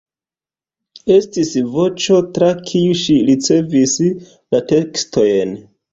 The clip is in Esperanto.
Estis "Voĉo", tra kiu ŝi ricevis la tekstojn.